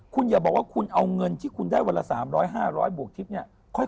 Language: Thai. คุณอย่าบอกว่าคุณเอาเงินที่คุณได้วันละ๓๐๐๕๐๐บวกทิพย์เนี่ย